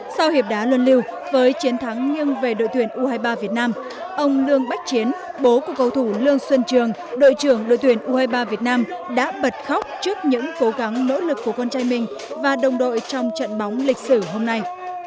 sau hiệp đá luân lưu với chiến thắng nghiêng về đội tuyển u hai mươi ba việt nam ông lương bách chiến bố của cầu thủ lương xuân trường đội trưởng đội tuyển u hai mươi ba việt nam đã bật khóc trước những cố gắng nỗ lực của con trai mình và đồng đội trong trận bóng lịch sử hôm nay